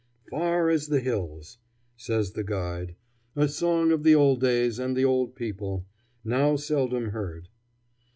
"'Far as the hills,'" says the guide; "a song of the old days and the old people, now seldom heard."